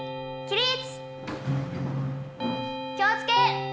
気を付け！